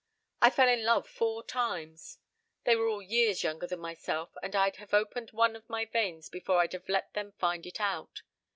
I fell in love four times. They were all years younger than myself and I'd have opened one of my veins before I'd have let them find it out.